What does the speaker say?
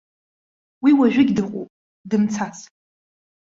Уи уажәыгь дыҟоуп, дымцац.